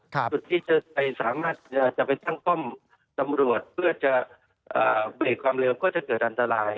จุดที่จะสามารถจะไปตั้งป้อมตำรวจเพื่อจะเบรกความเร็วก็จะเกิดอันตราย